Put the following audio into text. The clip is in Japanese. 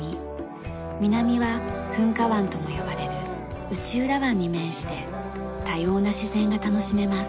南は噴火湾とも呼ばれる内浦湾に面して多様な自然が楽しめます。